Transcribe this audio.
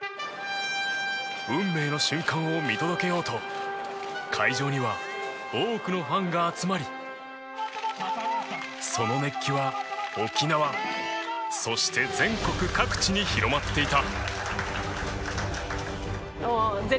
運命の瞬間を見届けようと会場には多くのファンが集まりその熱気は、沖縄そして全国各地に広まっていた。